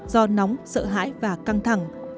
do nóng sợ hãi và căng thẳng